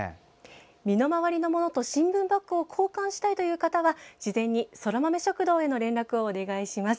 身の回りのものと新聞バッグを交換したいという方は事前に、そらまめ食堂への連絡をお願いします。